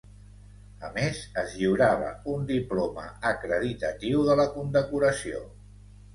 A més, es lliurava un diploma acreditatiu de la condecoració.